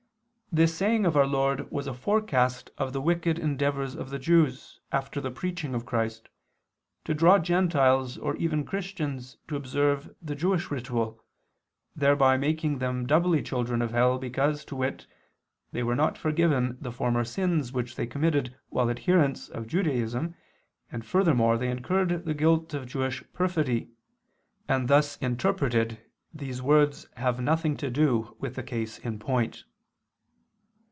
this saying of our Lord was a forecast of the wicked endeavors of the Jews, after the preaching of Christ, to draw Gentiles or even Christians to observe the Jewish ritual, thereby making them doubly children of hell, because, to wit, they were not forgiven the former sins which they committed while adherents of Judaism, and furthermore they incurred the guilt of Jewish perfidy; and thus interpreted these words have nothing to do with the case in point.